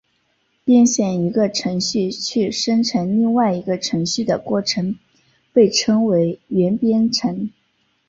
编写一个程序去生成另外一个程序的过程被称之为元编程。